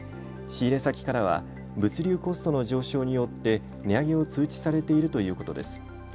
仕入れ先からは物流コストの上昇によって値上げを通知されているということです。